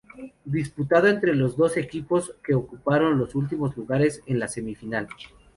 Disputado entre los dos equipos que ocuparon los últimos lugares en la semifinal.